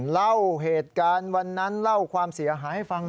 เล่าเหตุการณ์วันนั้นเล่าความเสียหายให้ฟัง